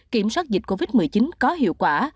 kiểm soát dịch covid một mươi chín có hiệu quả